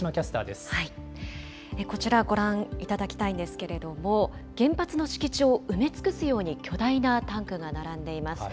こちら、ご覧いただきたいんですけれども、原発の敷地を埋め尽くすように巨大なタンクが並んでいます。